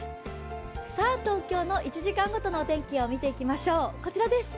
東京の１時間ごとの天気を見ていきましょう、こちらです。